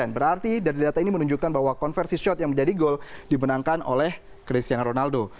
berarti dari data ini menunjukkan bahwa konversi shot yang menjadi gol dimenangkan oleh cristiano ronaldo